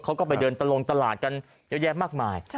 เขาก็ไปเดินตะลงตลาดกันเยอะแยะมากมาย